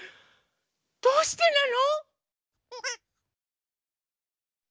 どうしてなの？